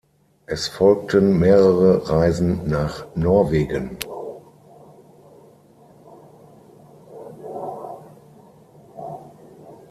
Es folgten mehrere Reisen nach Norwegen.